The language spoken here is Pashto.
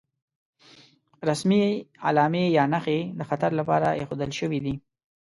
رسمي علامې یا نښې د خطر لپاره ايښودل شوې دي.